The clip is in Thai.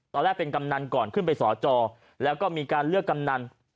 ตอนแรกเป็นกำนันก่อนขึ้นไปสอจอแล้วก็มีการเลือกกำนัน